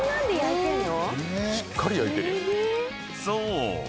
［そう！